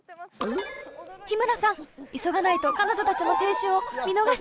日村さん急がないと彼女たちの青春を見逃しちゃいますよ。